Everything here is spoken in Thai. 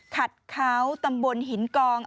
ขัดเขาตำบลหินกอง